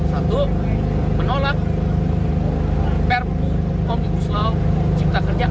satu menolak perpu pom di kuslau cipta kerja